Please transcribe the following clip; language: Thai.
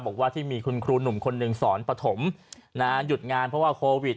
บอกว่าที่มีคุณครูหนุ่มคนหนึ่งสอนปฐมหยุดงานเพราะว่าโควิด